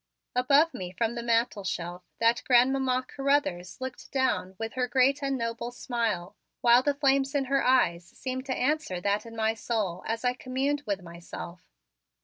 Above me from the mantelshelf, that Grandmamma Carruthers looked down with her great and noble smile, while the flame in her eyes seemed to answer that in my soul as I communed with myself.